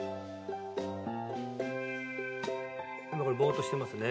今これボーッとしてますね